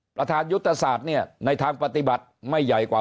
ประธานยุทธศาสตร์เนี่ยในทางปฏิบัติไม่ใหญ่กว่า